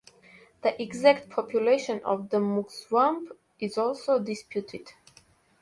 The exact population of the Mugwump is also disputed.